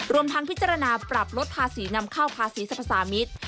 รวมทั้งพิจารณาปรับลดภาษีนำเข้าภาษีสรรพสามิตร